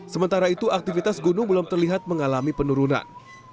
sementara itu aktivitas gunung belum terlihat mengalami penurunan